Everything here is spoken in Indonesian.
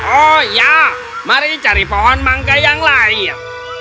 oh ya mari cari pohon mangga yang lahir